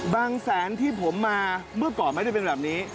บางแสนที่ผมมาเมื่อก่อนไม่ได้เป็นแบบนี้